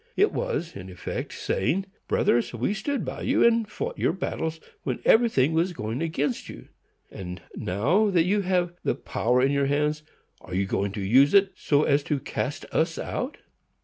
It was, in effect, saying, "Brothers, we stood by you, and fought your battles, when everything was going against you; and, now that you have the power in your hands, are you going to use it so as to cast us out?"